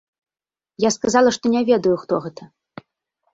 Я сказала, што не ведаю, хто гэта.